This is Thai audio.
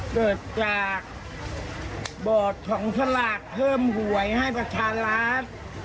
เกิดจากบอร์ดของสลากเพิ่มหวยให้ประชารัฐ